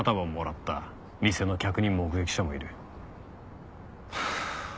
店の客に目撃者もいる。